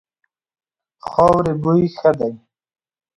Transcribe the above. خاورې بوی ښه دی.